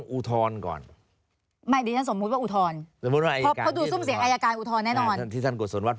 พุทธภาคศาสตร์สารอุทธรณ์สั่งก่อนนะ